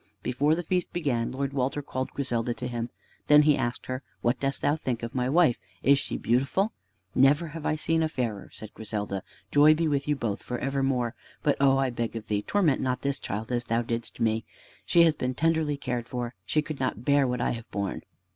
Before the feast began, Lord Walter called Griselda to him. Then he asked her, "What dost thou think of my wife? Is she beautiful?" "Never have I seen a fairer," said Griselda. "Joy be with you both evermore! But oh! I beg of thee, torment not this child as thou didst me. She has been tenderly cared for. She could not bear what I have borne."